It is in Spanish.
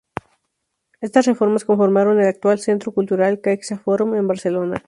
Estas reformas conformaron el actual centro cultural CaixaForum en Barcelona.